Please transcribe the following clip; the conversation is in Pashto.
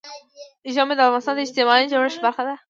ژمی د افغانستان د اجتماعي جوړښت برخه ده.